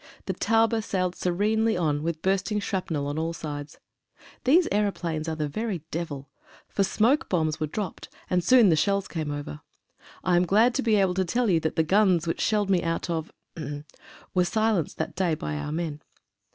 The Taube sailed serenely on, with bursting shrapnel on all sides. These aeroplanes are the very devil — for smoke bombs were dropped, and soon the shells came over. I am glad to be able to tell you that the guns which shelled me out of were silenced that day by our men.